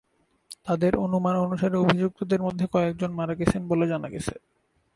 তাদের অনুমান অনুসারে অভিযুক্তদের মধ্যে কয়েকজন মারা গেছেন বলে জানা গেছে।